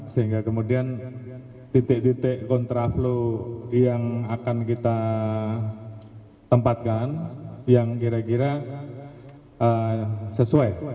sehingga kemudian titik titik kontra flow yang akan kita tempatkan yang kira kira sesuai